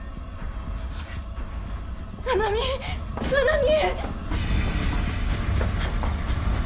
七海七海！